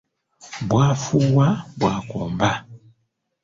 Bw'afuuwa bw'akomba.